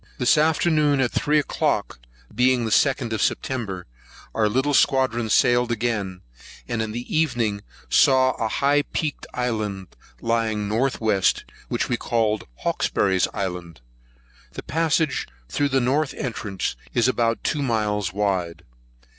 This afternoon, at three o'clock, being the 2d of September, our little squadron sailed again, and in the evening saw a high peaked island lying north west, which we called Hawkesbury's Island. The passage through the north entrance is about two miles wide.